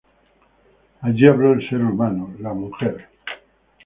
Ahí habló el ser humano, la mujer.